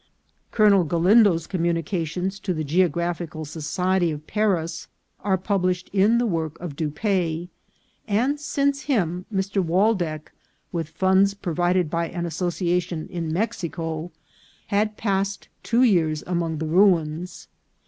Col onel Galindo's communications to the Geographical Society of Paris are published in the work of Dupaix, and since him Mr. Waldeck, with funds provided by an association in Mexico, had passed two years among the ruins.